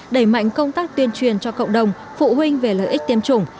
đẩy mạnh công tác tuyên truyền cho cộng đồng phụ huynh về lợi ích tiêm chủng